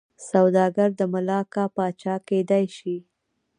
سوداګر د ملاکا پاچا کېدای شي.